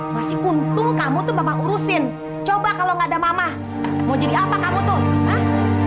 masih untung kamu tuh bapak urusin coba kalau gak ada mama mau jadi apa kamu tuh ah